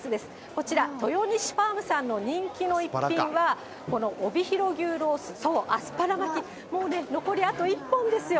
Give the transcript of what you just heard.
こちら、トヨニシファームさんの人気の一品は、この帯広牛ロース、そう、アスパラ巻き、もうね、残りあと一本ですよ。